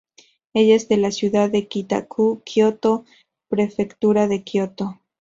Ella es de la ciudad de Kita-ku, Kioto, Prefectura de Kioto.